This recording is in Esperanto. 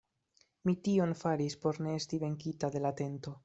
Mi tion faris, por ne esti venkita de la tento.